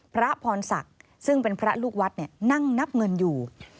พระพรศักดิ์ซึ่งเป็นพระลูกวัดนั่งนับเงินอยู่